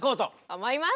思います！